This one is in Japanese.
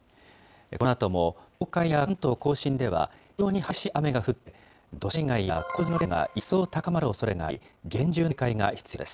このあとも東海や関東甲信では、非常に激しい雨が降って、土砂災害や洪水の危険度が一層高まるおそれがあり、厳重な警戒が必要です。